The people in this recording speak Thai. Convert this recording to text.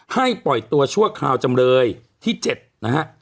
ปล่อยตัวชั่วคราวจำเลยที่๗นะฮะ